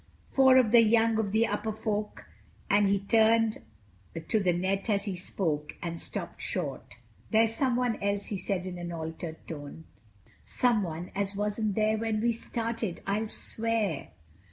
"Four of the young of the Upper Folk—" and he turned to the net as he spoke, and stopped short—"there's someone else," he said in an altered voice, "someone as wasn't there when we started, I'll swear."